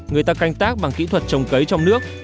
người ta canh tác bằng kỹ thuật trồng cấy trong nước